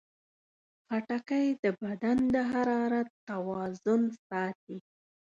خټکی د بدن د حرارت توازن ساتي.